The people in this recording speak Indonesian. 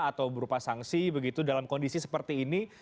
atau berupa sanksi begitu dalam kondisi seperti ini